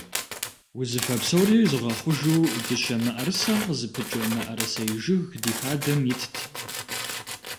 Узыфэ псори зыгъэхъужу дыщэ мыӀэрысэ къызыпыкӀэ мыӀэрысей жыг ди хадэм итт.